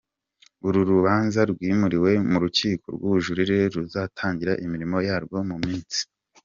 Uru rubanza rwimuriwe mu rukiko rw’ubujurire ruzatangira imirimo yarwo mu minsi.